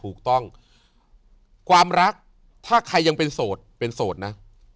ถูกต้องความรักถ้าใครยังเป็นโสดเป็นโสดนะ